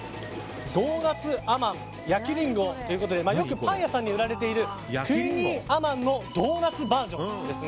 ドーナツアマン焼きリンゴということでよくパン屋さんに売られているクイニーアマンのドーナツバージョンです。